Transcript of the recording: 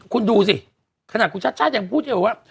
คุณดูสิขนาดคุณชาติชาติยังพูดอยู่ว่า